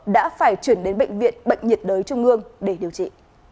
đã phải chuyển đến bệnh viện bệnh nhiệt đới trung ương để điều trị